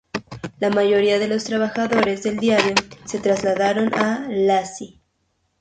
La mayoría de los trabajadores del diario se trasladaron a Iaşi.